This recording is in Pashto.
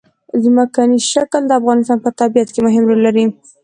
ځمکنی شکل د افغانستان په طبیعت کې مهم رول لري.